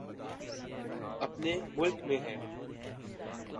اپنے ملک میں ہے۔